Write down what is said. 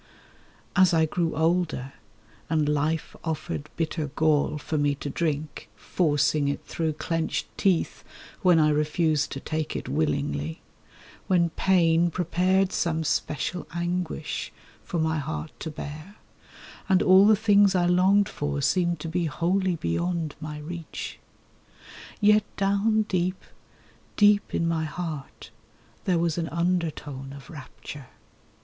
As I grew older, and Life offered bitter gall for me to drink, Forcing it through clenched teeth when I refused to take it willingly; When Pain prepared some special anguish for my heart to bear, And all the things I longed for seemed to be wholly beyond my reach— Yet down deep, deep in my heart there was an undertone of rapture.